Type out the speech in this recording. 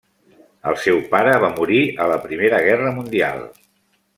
El seu pare va morir a la Primera Guerra Mundial.